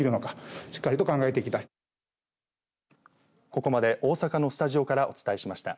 ここまで大阪のスタジオからお伝えしました。